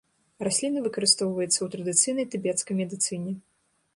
Расліна выкарыстоўваецца ў традыцыйнай тыбецкай медыцыне.